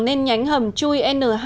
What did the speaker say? nên nhánh hầm chui n hai